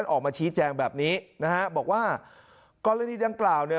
ออกมาชี้แจ่งแบบนี้นะบอกว่ากรณีดั้งกล่าว